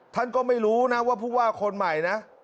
ท่านก็ไม่รู้นะว่าผู้ว่าคนใหม่นะ